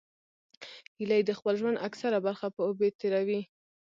هیلۍ د خپل ژوند اکثره برخه په اوبو تېروي